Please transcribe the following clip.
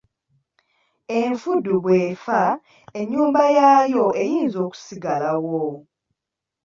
Enfudu bw’efa ennyumba yaayo eyinza okusigalawo.